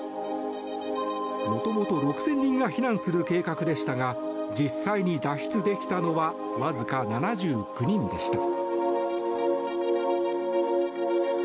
元々、６０００人が避難する計画でしたが実際に脱出できたのはわずか７９人でした。